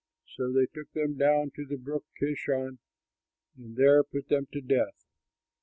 So they took them down to the Brook Kishon and there put them to death.